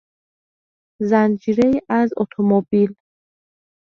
زنجیرهای از اتومبیل